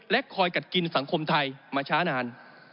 คอยกัดกินสังคมไทยมาช้านาน